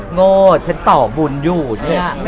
โง่ฉันต่อบุญอยู่เนี่ย